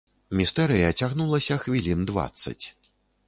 Містэрыя цягнулася хвілін дваццаць.